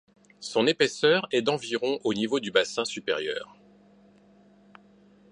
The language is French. Son épaisseur est d'environ au niveau du bassin supérieur.